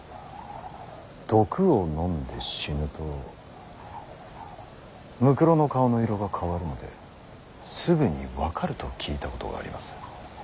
毒を飲んで死ぬとむくろの顔の色が変わるのですぐに分かると聞いたことがあります。